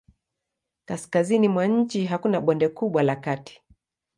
Kaskazini mwa nchi hakuna bonde kubwa la kati.